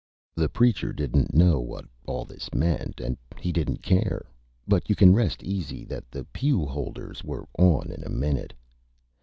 The Preacher didn't know what all This meant, and he didn't care, but you can rest easy that the Pew Holders were On in a minute.